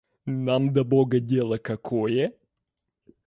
Нам до бога дело какое?